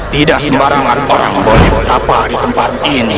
tidak sebarang orang boleh berapa di tempat ini